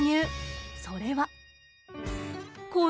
それは。